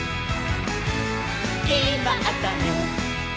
「きまったね！」